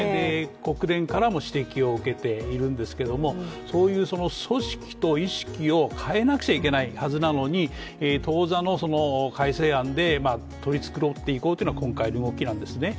国連からも指摘を受けているんですけども、そういう組織と意識を変えなくちゃいけないはずなのに当座の改正案で取り繕っていこうというのが今回の動きなんですね。